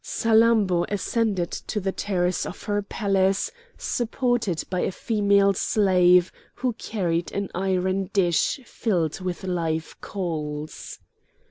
Salammbô ascended to the terrace of her palace, supported by a female slave who carried an iron dish filled with live coals.